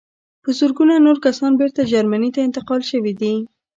په زرګونه نور کسان بېرته جرمني ته انتقال شوي دي